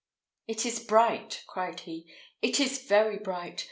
"It is bright," cried he; "it is very bright.